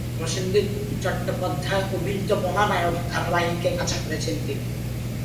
প্রসেনজিৎ চট্টোপাধ্যায় অভিনীত মহানায়ক ধারাবাহিকে কাজ করেছেন তিনি।